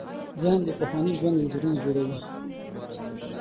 ذهن د پخواني ژوند انځورونه جوړوي.